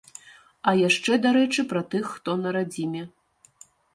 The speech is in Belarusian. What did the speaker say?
А яшчэ, дарэчы, пра тых, хто на радзіме.